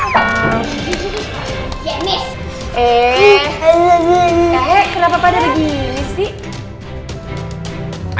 eh kenapa pada begini sih